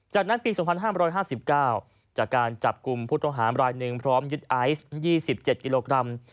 จากนั้นปี๒๕๕๙จากการจับกลุ่มผู้ต้องหามรายหนึ่งพร้อมยึดไอซ์๒๗กิโลกรัม